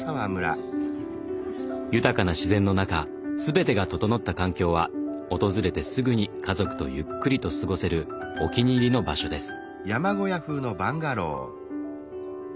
豊かな自然の中全てが整った環境は訪れてすぐに家族とゆっくりと過ごせるお気に入りの場所です。